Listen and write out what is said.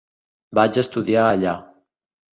Vaig estudiar allà.